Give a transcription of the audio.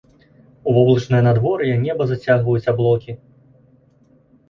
У воблачнае надвор'е неба зацягваюць аблокі.